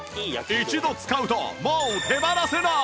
一度使うともう手放せない！